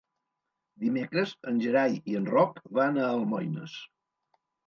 Dimecres en Gerai i en Roc van a Almoines.